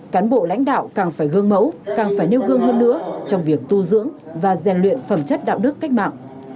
cán bộ lãnh đạo càng phải gương mẫu càng phải nêu gương hơn nữa trong việc tu dưỡng và rèn luyện phẩm chất đạo đức cách mạng